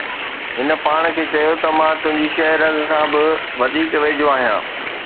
هن پاڻ کي چيو ته مان تنهنجي شہ رگ کان به وڌيڪ ويجهو آهيان